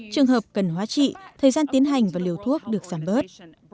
trường hợp cần hóa trị thời gian tiến hành và liều thuốc được giảm bớt